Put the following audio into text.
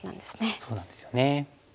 そうなんですよね。